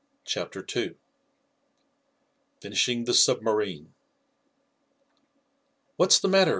Chapter Two Finishing the Submarine "What's the matter?"